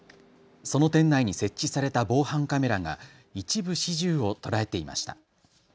その店内に設置された防犯カメラが一部始終を捉えていました。